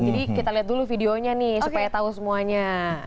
jadi kita lihat dulu videonya nih supaya tahu semuanya